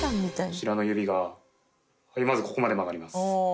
こちらの指がまずここまで曲がります。